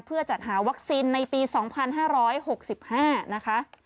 เพื่อจัดหาวัคซีนในปี๒๕๖๕นะคะ